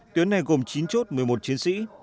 tuyến này gồm chín chốt một mươi một chiến sĩ